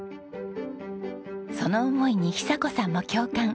その思いに久子さんも共感。